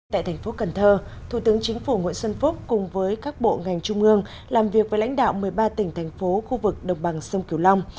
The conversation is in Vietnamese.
tại thành phố cần thơ thủ tướng chính phủ nguyễn xuân phúc cùng với các bộ ngành trung ương làm việc với lãnh đạo một mươi ba tỉnh thành phố khu vực đồng bằng sông kiều long